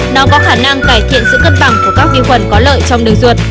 nó có khả năng cải thiện sự cân bằng của các vi khuẩn có lợi trong đường ruột